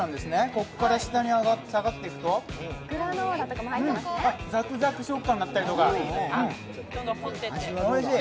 ここから下に下がっていくと、ザクザク食感だったりとか、おいしい。